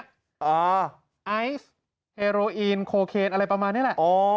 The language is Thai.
ไอซ์เฮโรอีนโคเคนอะไรประมาณนี้แหละ